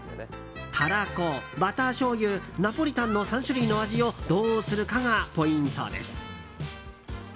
たらこ、バターしょうゆナポリタンの３種類の味をどうするかがポイントです。